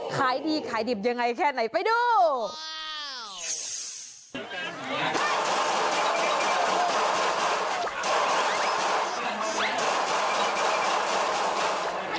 ขายดีขายดิบยังไงแค่ไหนไปดู